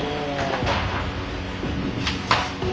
お。